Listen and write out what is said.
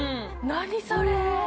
何それ？